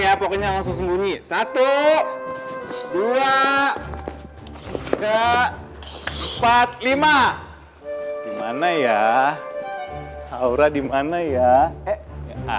ya pokoknya langsung sembunyi dua belas ribu tiga ratus empat puluh lima mana ya aura dimana ya eh ada